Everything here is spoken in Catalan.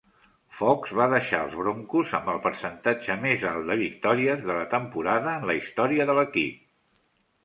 Fox va deixar els Broncos amb el percentatge més alt de victòries de la temporada en la història de l'equip.